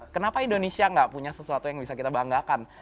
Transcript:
kenapa indonesia nggak punya sesuatu yang bisa kita banggakan